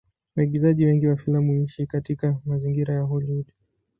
Waigizaji wengi wa filamu huishi katika mazingira ya Hollywood.